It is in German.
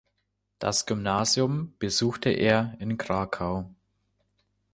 Das Gymnasium besuchte er in Krakau.